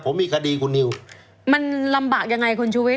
ผมมีคดีคุณนิวมันลำบากยังไงคุณชูวิท